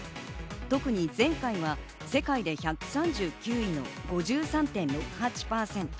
特に前回は世界で１３９位の５３．６８％。